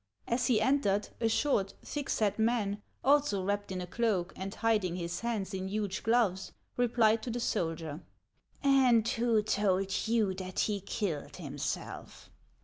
As he entered, a short, thick set man, also wrapped in a cloak and hiding his hands iii huge gloves, replied to the soldier. " And who told you that he killed himself